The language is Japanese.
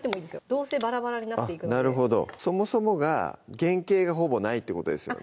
どうせバラバラになっていくのでそもそもが原形がほぼないってことですよね